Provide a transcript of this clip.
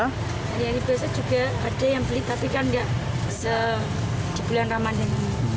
hari biasa juga ada yang beli tapi kan nggak sebulan ramadan